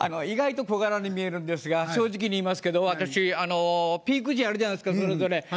意外と小柄に見えるんですが正直に言いますけど私あのピーク時あるじゃないですかそれぞれ。